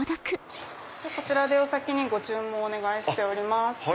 こちらでお先にご注文をお願いしております。